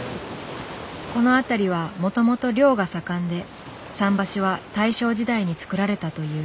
この辺りはもともと漁が盛んで桟橋は大正時代につくられたという。